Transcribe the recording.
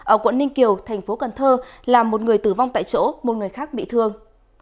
ở quận ninh kiều thành phố cần thơ làm một người tử vong tại chỗ một người khác bị thương